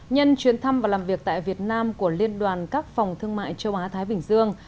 nhân chuyến thăm và làm việc tại việt nam của liên đoàn các phòng thương mại châu á thái bình dương